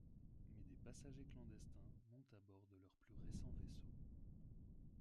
Mais des passagers clandestins montent à bord de leur plus récent vaisseau.